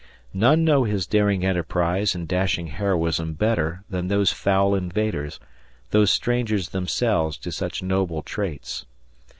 None know his daring enterprise and dashing heroism better than those foul invaders, those strangers themselves to such noble traits.